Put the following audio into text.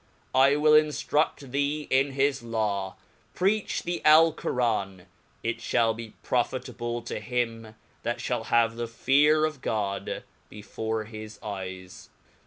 I will inftrud thee in his Law 3 preach the yllcoran, it Qiall be profitable to him that fiiall have the fear of God be fore his eyes